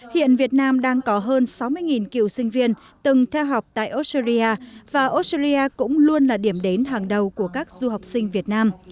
hiện việt nam đang có hơn sáu mươi cựu sinh viên từng theo học tại australia và australia cũng luôn là điểm đến hàng đầu của các du học sinh việt nam